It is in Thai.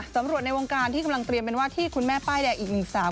สำหรับในวงการที่กำลังเตรียมเป็นว่าที่คุณแม่ป้ายแดงอีกหนึ่งสาว